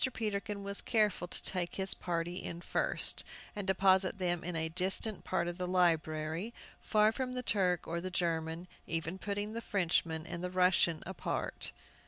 Peterkin was careful to take his party in first, and deposit them in a distant part of the library, far from the Turk or the German, even putting the Frenchman and Russian apart.